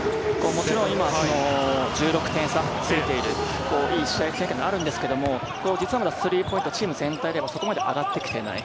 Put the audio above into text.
もちろん今、１６点差がついている、いい試合展開ではありますが、実はまだスリーポイント、チーム全体ではそこまで上がってきていない。